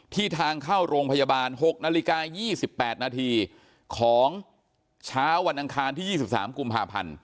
ที่ทางเข้าโรงพยาบาลหกนาฬิกายี่สิบแปดนาทีของช้าวันอังคารที่ยี่สิบสามกุมภาพันธุ์